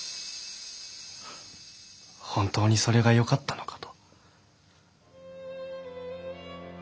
本当にそれが良かったのかと。